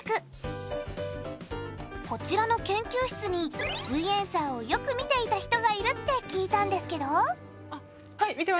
こちらの研究室に「すイエんサー」をよく見ていた人がいるって聞いたんですけど？